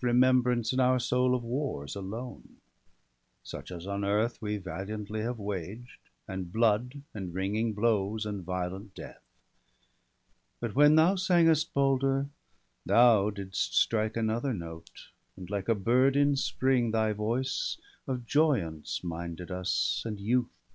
171 Remembrance in our soul of wars alone, Such as on earth we valiantly have waged, And blood, and ringing blows, and violent death. But when thou sangest, Balder, thou didst strike Another note, and, like a bird in spring. Thy voice of joyance minded us, and youth.